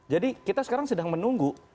jadi kita sekarang sedang menunggu